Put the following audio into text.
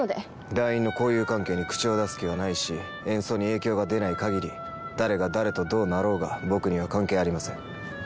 団員の交友関係に口を出す気はないし演奏に影響が出ない限り誰が誰とどうなろうが僕には関係ありません。